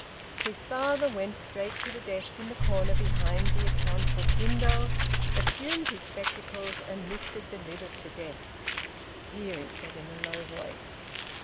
His father went straight to the desk in the corner behind the account book window, assumed his spectacles, and lifted the lid of the desk. "Here!" he said, in a low voice.